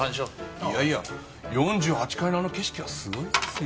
いやいや４８階のあの景色はすごいですよ。